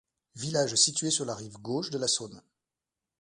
Village située sur la rive gauche de la Saône.